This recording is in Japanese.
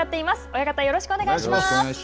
親方、よろしくお願いします。